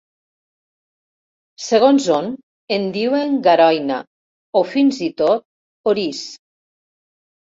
Segons on, en diuen garoina o fins i tot oriç.